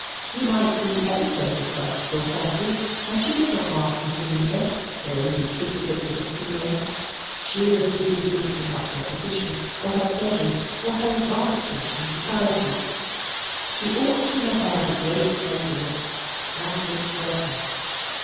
He might be ever so depressed or sulky, and she did not mark his demeanour, or only treated it with a sneer. She was busy thinking about her position, or her pleasures, or her advancement in society; she ought to have held a great place in it, that is certain.